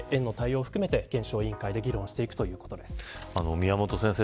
宮本先生